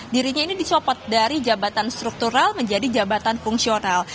dirinya ini dicopot dari jabatan struktural menjadi jabatan fungsional